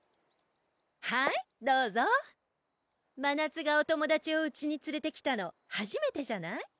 はいどうぞまなつがお友達をうちにつれてきたのはじめてじゃない？